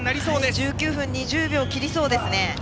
１９分２０秒切りそうです。